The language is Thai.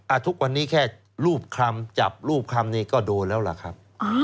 ทุกวันนี้แค่รูปคำจับรูปคำนี้ก็โดนแล้วล่ะครับ